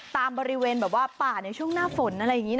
ตามบริเวณว่าป่าในช่วงหน้าฝน